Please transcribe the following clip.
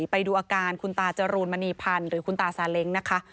ไปดูอาการคุณตาจรูนมณีพันธ์หรือคุณตาซาเล้งนะคะ